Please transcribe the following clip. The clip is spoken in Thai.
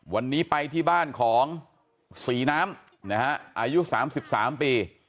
วันนี้ไปที่บ้านของศรีน้ำนะฮะอายุ๓๓ปี